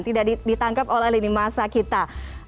tidak ditangkap oleh lini masa kita